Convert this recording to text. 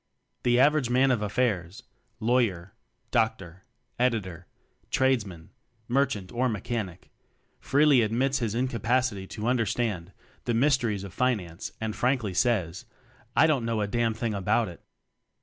The average man of affairs Law yer, Doctor, Editor, Tradesman, Mer chant or Mechanic freely admits his incapacity to understand the "mys teries of finance," and frankly says: "I don't know a damn thing about it."